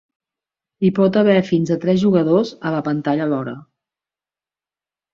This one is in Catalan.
Hi pot haver fins a tres jugadors a la pantalla alhora.